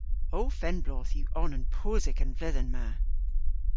Ow fenn-bloodh yw onan posek an vledhen ma.